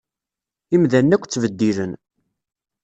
Imdanen akk ttbeddilen.